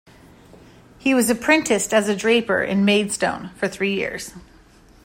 He was apprenticed as a draper in Maidstone for three years.